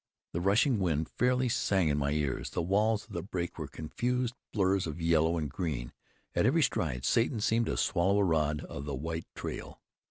The rushing wind fairly sang in my ears; the walls of the break were confused blurs of yellow and green; at every stride Satan seemed to swallow a rod of the white trail.